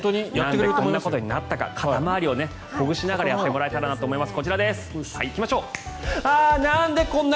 なんでこんなことになったか肩回りをほぐしながらやってもらえたらなと思います。